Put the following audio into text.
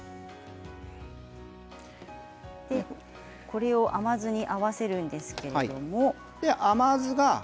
これを甘酢に合わせるんですけれど。